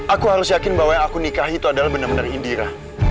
aku harus yakin bahwa yang aku nikahi itu adalah benar benar indira